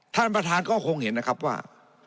ท่านประธานก็คงเห็นนะครับว่า